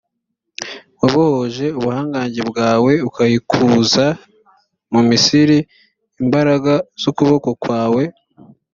wabohoje ubuhangange bwawe, ukayikuza mu misiri imbaraga z’ukuboko kwawe.